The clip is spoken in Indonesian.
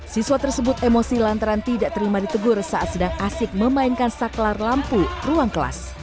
siswa tersebut emosi lantaran tidak terima ditegur saat sedang asik memainkan saklar lampu ruang kelas